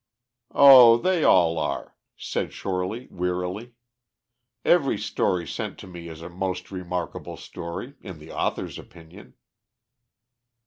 "Oh, they all are," said Shorely, wearily. "Every story sent to me is a most remarkable story, in the author's opinion."